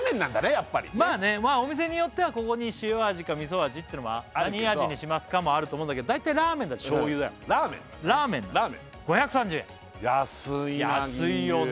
やっぱりまあお店によってはここに塩味か味噌味ってのも「何味にしますか？」もあると思うんだけど大体ラーメンだと醤油だよラーメンなんだね５３０円安いよね